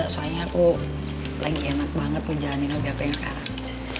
soalnya aku lagi enak banget ngejalanin obyekku yang sekarang